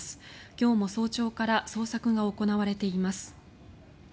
今日も早朝から捜索が行われています。